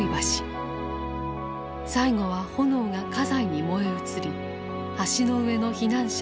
最後は炎が家財に燃え移り橋の上の避難者